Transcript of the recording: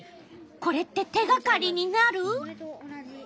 これって手がかりになる？